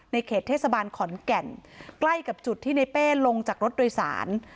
เขตเทศบาลขอนแก่นใกล้กับจุดที่ในเป้ลงจากรถโดยสาร